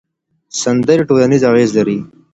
سندرې ټولنیز اغېز لري.